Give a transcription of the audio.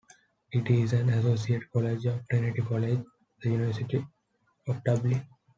It is an associate college of Trinity College, the University of Dublin.